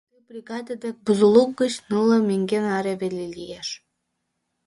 Ты бригаде дек Бузулук гыч нылле меҥге наре веле лиеш.